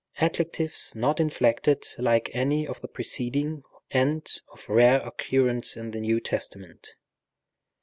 Adjectives not inflected like any of the pons and of rare occurrence in the New Testament.